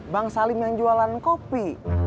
bang salim yang jualan kopi